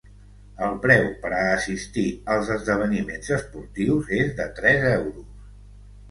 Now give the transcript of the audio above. El preu per a assistir als esdeveniments esportius és de tres euros.